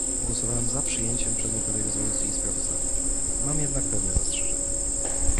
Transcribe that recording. Głosowałam za przyjęciem przedmiotowej rezolucji i sprawozdania, mam jednak pewne zastrzeżenia